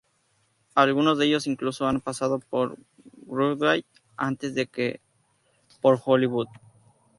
Algunos de ellos incluso han pasado por Broadway antes que por Hollywood.